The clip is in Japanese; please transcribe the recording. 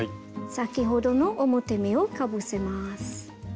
先ほどの表目をかぶせます。